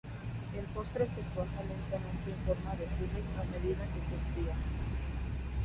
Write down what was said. El postre se cuaja lentamente en forma de geles, a medida que se enfría.